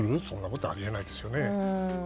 そんなことはあり得ないですよね。